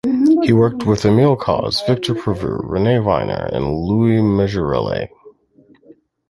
He worked with Emil Causé, Victor Prouvé, René Wiener and Louis Majorelle.